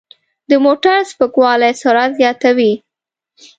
د موټر سپکوالی سرعت زیاتوي.